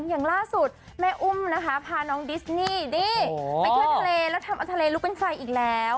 อย่างล่าสุดแม่อุ้มนะคะพาน้องดิสนี่นี่ไปเที่ยวทะเลแล้วทำเอาทะเลลุกเป็นไฟอีกแล้ว